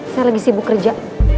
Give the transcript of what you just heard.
saya lagi sibuk kerja